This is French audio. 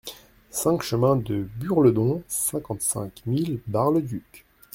cinq chemin de Burledon, cinquante-cinq mille Bar-le-Duc